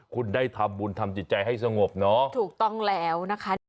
คุณได้ทำบุญทำจิตใจให้สงบเนอะถูกต้องแล้วนะคะ